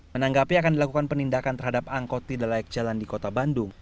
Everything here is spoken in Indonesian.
menanggapi akan dilakukan penindakan terhadap angkot tidak layak jalan di kota bandung